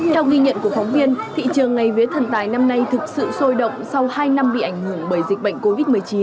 theo ghi nhận của phóng viên thị trường ngày vía thần tài năm nay thực sự sôi động sau hai năm bị ảnh hưởng bởi dịch bệnh covid một mươi chín